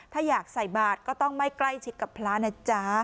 ถ้าอยากใส่บาทก็ต้องไม่ใกล้ชิดกับพระนะจ๊ะ